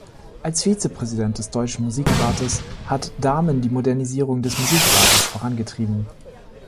Als Vizepräsident des Deutschen Musikrates hat Dahmen die Modernisierung des Musikrates vorangetrieben.